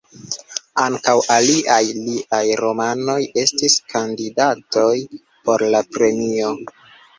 Ankaŭ aliaj liaj romanoj estis kandidatoj por la premio.